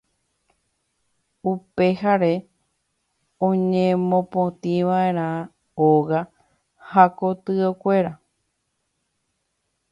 upeháre oñemopotĩva'erã óga ha kotykuéra